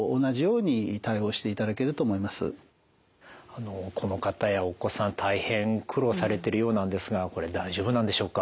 あのこの方やお子さん大変苦労されてるようなんですがこれ大丈夫なんでしょうか？